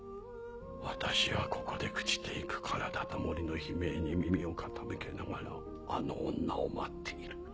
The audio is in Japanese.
私はここで朽ちていく体と森の悲鳴に耳を傾けながらあの女を待っている。